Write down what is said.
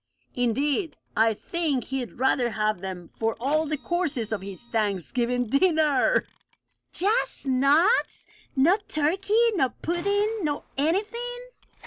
"Indeed, I think he'd rather have them for all the courses of his Thanksgiving dinner!" "Just nuts! No turkey, nor puddin', nor anything?"